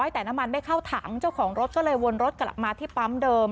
แต่น้ำมันไม่เข้าถังเจ้าของรถก็เลยวนรถกลับมาที่ปั๊มเดิม